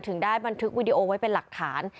ถึงได้บันทึกวิดีโอไว้เป็นหลักฐาน